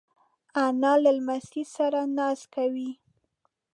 انا له لمسیو سره ناز کوي